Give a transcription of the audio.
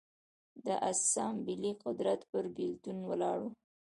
د اسامبلې قدرت پر بېلتون ولاړ و